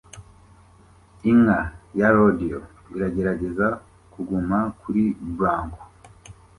Inka ya rodeo iragerageza kuguma kuri bronco